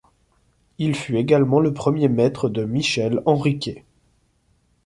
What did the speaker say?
Il fut également le premier maître de Michel Henriquet.